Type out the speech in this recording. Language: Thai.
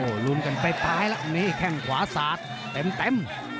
โหลุนกันไปตายแล้วนี่แข่งขวาศาสตร์เต็ม